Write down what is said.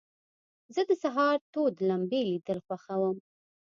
زه د سهار تود لمبې لیدل خوښوم.